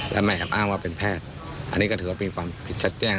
และไม่แอบอ้างว่าเป็นแพทย์อันนี้ก็ถือว่ามีความผิดชัดแจ้ง